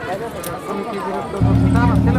আমি কী বিরক্ত করছি?